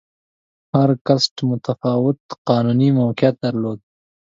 هر کاسټ متفاوت قانوني موقعیت درلود.